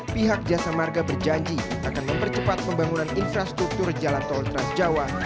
pihak jasa marga berjanji akan mempercepat pembangunan infrastruktur jalan tol trans jawa